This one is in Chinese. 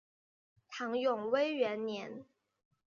唐永徽元年。